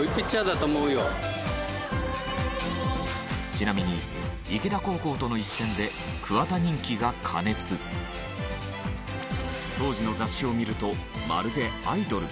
ちなみに池田高校との一戦で当時の雑誌を見るとまるでアイドル。